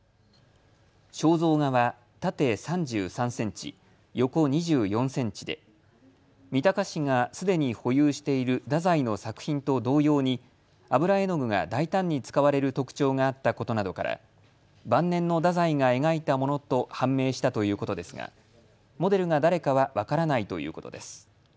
肖像画は縦３３センチ、横２４センチで三鷹市がすでに保有している太宰の作品と同様に油絵の具が大胆に使われる特徴があったことなどから晩年の太宰が描いたものと判明したということですがモデルが誰かは分からないということです。